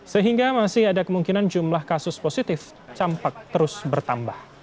sehingga masih ada kemungkinan jumlah kasus positif campak terus bertambah